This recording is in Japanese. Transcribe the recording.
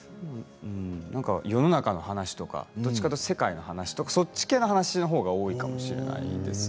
世の中の話とかどっちかというと世界の話とかそっち系の話のほうが多いかもしれないですね。